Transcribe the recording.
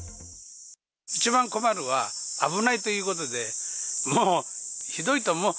一番困るのは、危ないということで、もうひどいと思う。